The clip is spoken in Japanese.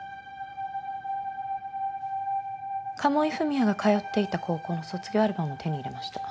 鴨井文哉が通っていた高校の卒業アルバムを手に入れました。